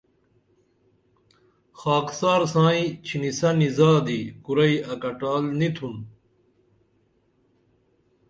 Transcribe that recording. خاکسار سائیں چِھنسنی زادی کُرئی اکٹال نی تُھن